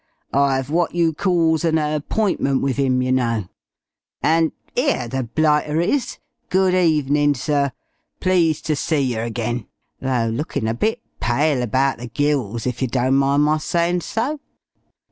"I've what you calls an appointment wiv 'im, yer know. And.... 'Ere the blighter is! Good evenin', sir. Pleased ter see yer again, though lookin' a bit pale abaht the gills, if yer don't mind my sayin' so."